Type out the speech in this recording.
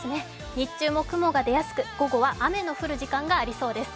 日中も雲が出やすく、午後は雨の降る時間がありそうです。